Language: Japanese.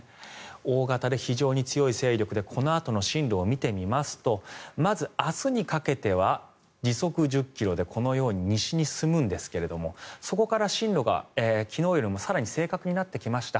大型で非常に強い勢力でこのあとの進路を見てみますとまず、明日にかけては時速１０ｋｍでこのように西に進むんですがそこから進路が昨日よりも更に正確になってきました。